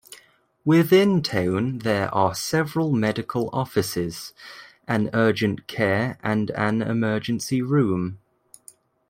Within town there are several medical offices, an urgent care and an emergency room.